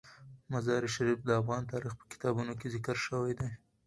مزارشریف د افغان تاریخ په کتابونو کې ذکر شوی دي.